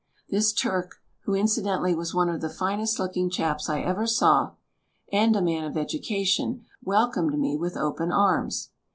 This Turk — who, incidentally, was one of the finest looking chaps I ever saw, and a man of education — ^welcomed me with open arms.